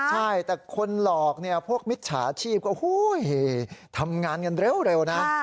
ใช่แต่คนหลอกเนี่ยพวกมิจฉาชีพก็ทำงานกันเร็วนะ